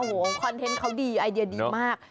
โอ้โหคอนเทนต์เขาดีไอเดียดีมาก